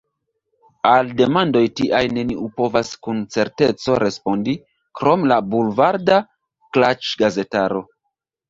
Al demandoj tiaj neniu povas kun certeco respondi – krom la bulvarda klaĉgazetaro.